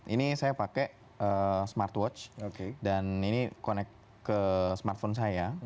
ini saya pakai smartwatch dan ini connect ke smartphone saya